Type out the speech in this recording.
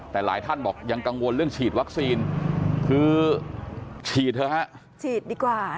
แต่หลายท่านบอกยังกังวลเรื่องฉีดวัคซีนคือฉีดเถอะฮะฉีดดีกว่า